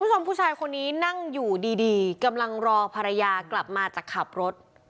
คุณผู้ชมผู้ชายคนนี้นั่งอยู่ดีกำลังรอภรรยากลับมาจากขับรถ